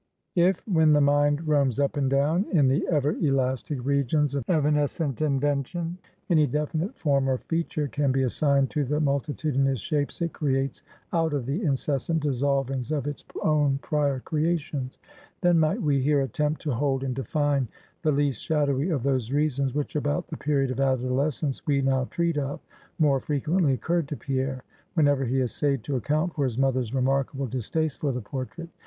If, when the mind roams up and down in the ever elastic regions of evanescent invention, any definite form or feature can be assigned to the multitudinous shapes it creates out of the incessant dissolvings of its own prior creations; then might we here attempt to hold and define the least shadowy of those reasons, which about the period of adolescence we now treat of, more frequently occurred to Pierre, whenever he essayed to account for his mother's remarkable distaste for the portrait.